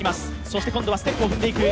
そして今度はステップを踏んでいく。